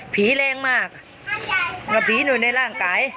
ผีแรงมากมันผีหน่อยในร่างกาย